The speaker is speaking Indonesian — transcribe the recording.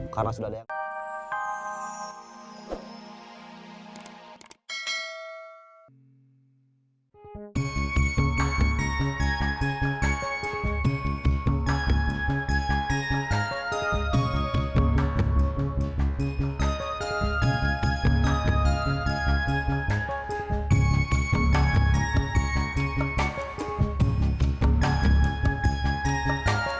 karena sudah ada